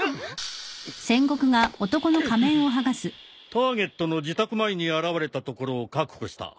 ターゲットの自宅前に現れたところを確保した。